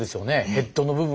ヘッドの部分。